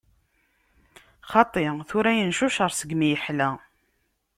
Xaṭi, tura yencucer segmi yeḥla.